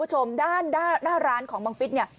หน้าร้านของบังฤทธิ์เนี่ย